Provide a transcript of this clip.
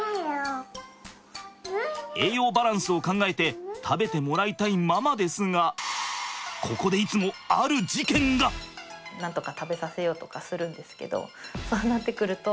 栄養バランスを考えて食べてもらいたいママですがここでいつも実際の現場がこちら。